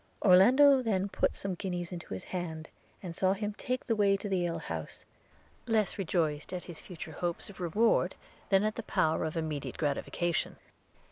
Orlando then put some guineas into his hand, and saw him take the way to the ale house, less rejoiced at his future hopes of reward, than at the power of immediate gratification.